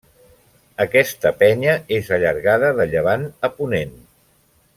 Aquesta penya és allargada de llevant a ponent.